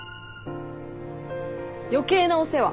余計なお世話。